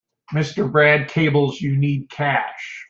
Mr. Brad cables you need cash.